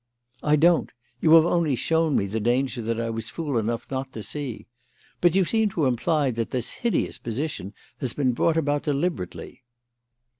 "I don't. You have only shown me the danger that I was fool enough not to see. But you seem to imply that this hideous position has been brought about deliberately."